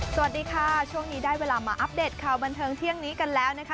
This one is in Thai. สวัสดีค่ะช่วงนี้ได้เวลามาอัปเดตข่าวบันเทิงเที่ยงนี้กันแล้วนะคะ